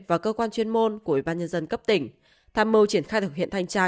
và cơ quan chuyên môn của ủy ban nhân dân cấp tỉnh tham mưu triển khai thực hiện thanh tra